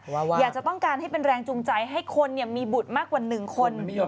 อยากจะต้องการให้เป็นแรงจูงใจให้คนมีบุตรมากกว่าหนึ่งคน